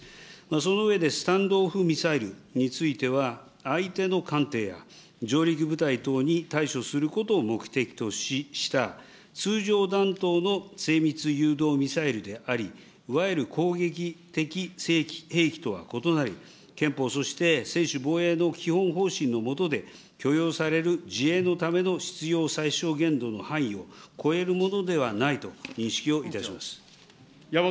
その上で、スタンド・オフ・ミサイルについては、相手の艦艇や上陸部隊等に対処することを目的とした通常弾頭の精密誘導ミサイルであり、いわゆる攻撃的兵器とは異なり、憲法そして専守防衛の基本方針のもとで許容される自衛のための必要最小限度の範囲を超えるものではないと認識をいたします。